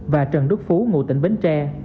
và trần đức phú ngụ tỉnh bến tre